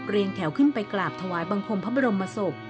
เรียงแถวขึ้นไปกราบถวายบังคมพระบรมมสก